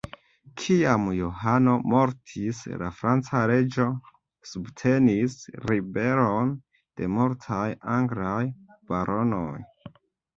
Kiam Johano mortis, la franca reĝo subtenis ribelon de multaj anglaj baronoj.